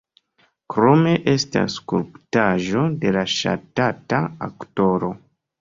Krome estas skulptaĵo de la ŝatata aktoro.